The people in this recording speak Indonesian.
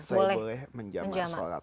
saya boleh menjamak sholat